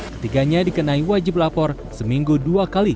ketiganya dikenai wajib lapor seminggu dua kali